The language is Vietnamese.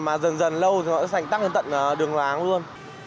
mà dần dần lâu thì nó sẽ tắt đến tận đường láng luôn